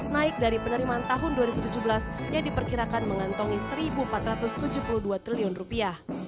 naik dari penerimaan tahun dua ribu tujuh belas yang diperkirakan mengantongi satu empat ratus tujuh puluh dua triliun rupiah